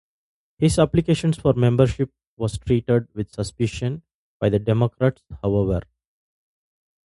His application for membership was treated with suspicion by the Democrats however.